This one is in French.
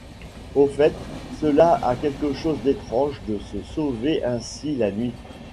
Au fait, cela a quelque chose d’étrange de se sauver ainsi la nuit.